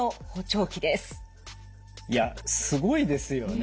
いやすごいですよね。